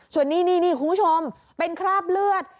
ส่วนนี้นี่คุณผู้ชมเป็นคราบเลือด